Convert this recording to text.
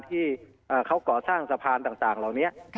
ที่เขาก่อสร้างสะพานต่างเหล่านี้